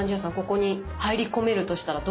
ここに入り込めるとしたらどうします？